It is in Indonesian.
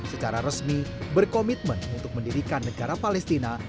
secara resmi berkomitmen untuk mendirikan negara palestina